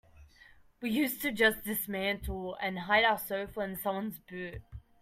We used to just dismantle and hide our sofa in someone's boot.